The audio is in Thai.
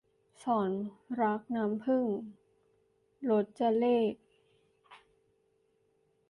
ศรรักน้ำผึ้ง - รจเรข